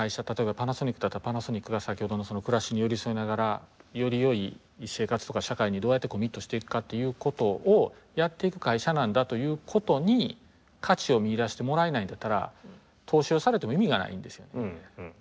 例えばパナソニックだったらパナソニックが先ほどの暮らしに寄り添いながらよりよい生活とか社会にどうやってコミットしていくかということをやっていく会社なんだということに価値を見いだしてもらえないんだったら投資をされても意味がないんですよね。